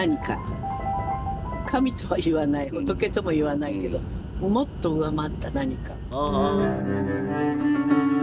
神とは言わない仏とも言わないけどもっと上回った何か。